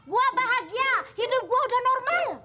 gua bahagia hidup gua udah normal